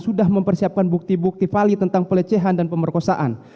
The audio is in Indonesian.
sudah mempersiapkan bukti bukti vali tentang pelecehan dan pemerkosaan